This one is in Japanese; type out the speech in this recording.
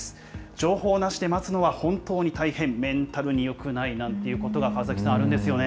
情報なしで待つのは本当に大変、メンタルによくないなんていうことが、川崎さん、あるんですよね。